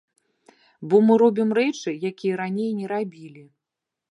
Бо мы робім рэчы, якія раней не рабілі.